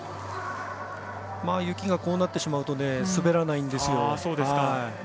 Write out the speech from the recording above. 雪がこうなってしまうと滑らないんですよ。